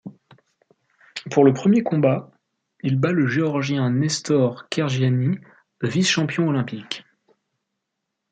Pour le premier combat, il bat le Géorgien Nestor Khergiani, vice-champion olympique.